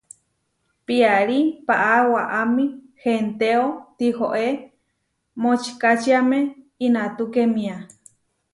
Piarí paʼá waʼámi hentéo, tihoé močikačiáme inatukémia.